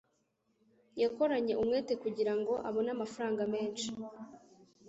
Yakoranye umwete kugirango abone amafaranga menshi.